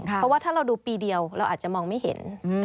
เพราะว่าถ้าเราดูปีเดียวเราอาจจะมองไม่เห็น